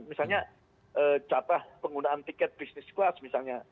misalnya capah penggunaan tiket bisnis kelas misalnya